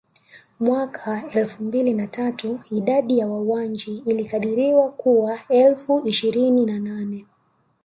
Mwaka elfu mbili na tatu idadi ya Wawanji ilikadiriwa kuwa elfu ishirini na nane